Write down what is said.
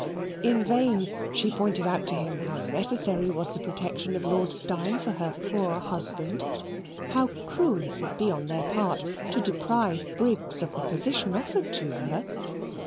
In vain she pointed out to him how necessary was the protection of Lord Steyne for her poor husband; how cruel it would be on their part to deprive Briggs of the position offered to her.